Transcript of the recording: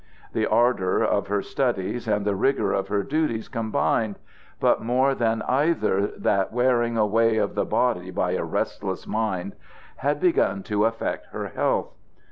The ardor of her studies and the rigor of her duties combined but more than either that wearing away of the body by a restless mind had begun to affect her health.